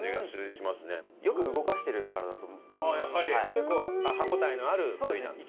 結構歯応えのある部位なんですか？